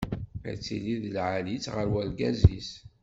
Ad tili d lεali-tt ɣer urgaz-is.